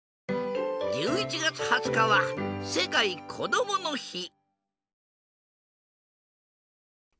１１月２０日は世界こどもの日。